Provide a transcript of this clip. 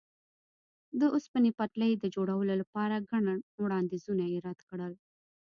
د اوسپنې پټلۍ د جوړولو لپاره ګڼ وړاندیزونه یې رد کړل.